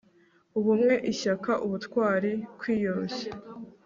ubumwe ishyaka, ubutwari kwiyoroshya